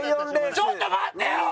ちょっと待ってよ！